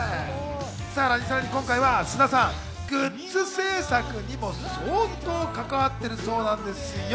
さらに今回は菅田さん、グッズ製作にも相当関わってるそうなんですよ。